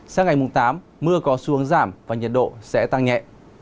sáng ngày mùng chín mưa có xuống giảm và nhiệt độ sẽ tăng nhẹ